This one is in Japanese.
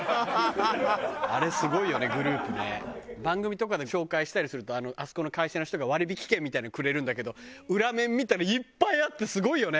番組とかで紹介したりするとあそこの会社の人が割引券みたいなのくれるんだけど裏面見たらいっぱいあってすごいよね。